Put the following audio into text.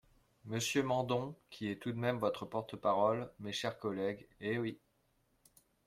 Monsieur Mandon qui est tout de même votre porte-parole, mes chers collègues, Eh oui